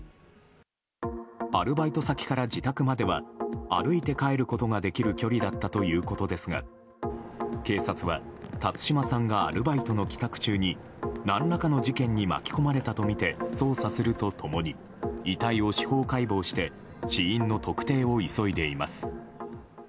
アルバイト先から自宅までは歩いて帰ることができる距離だったということですが警察は、辰島さんがアルバイトの帰宅中に何らかの事件に巻き込まれたとみて捜査すると共に遺体を司法解剖して死因の特定を急いでいます。